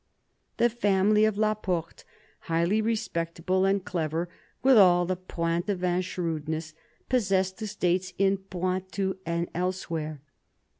The family of La Porte, highly respectable, and clever with all the Poitevin shrewdness, possessed estates in Poitou and elsewhere.